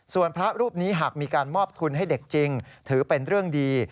ส่วนพระรูปนี้หากมีการมอบทุนให้เด็กจริงถือเป็นเรื่องดี